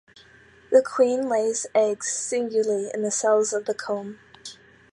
The queen lays eggs singly in cells of the comb.